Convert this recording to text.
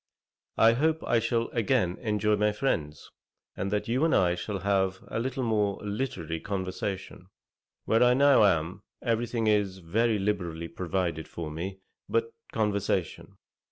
I hope I shall again enjoy my friends, and that you and I shall have a little more literary conversation. Where I now am, every thing is very liberally provided for me but conversation.